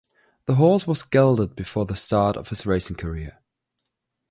The horse was gelded before the start of his racing career.